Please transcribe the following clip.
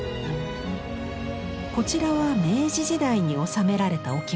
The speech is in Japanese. こちらは明治時代に収められた置物。